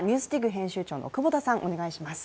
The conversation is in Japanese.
編集長の久保田さん、お願いします。